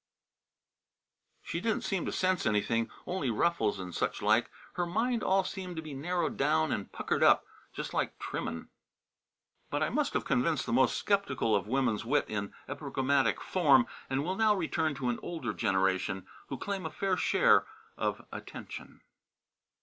"She didn't seem to sense anything, only ruffles and such like. Her mind all seemed to be narrowed down and puckered up, just like trimmin'." But I must have convinced the most sceptical of woman's wit in epigrammatic form, and will now return to an older generation, who claim a fair share of attention.